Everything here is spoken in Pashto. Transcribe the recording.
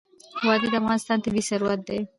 وادي د افغانستان طبعي ثروت دی.